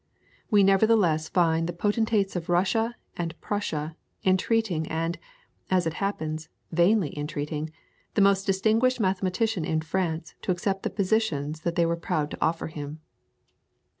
We nevertheless find the potentates of Russia and Prussia entreating and, as it happens, vainly entreating, the most distinguished mathematician in France to accept the positions that they were proud to offer him.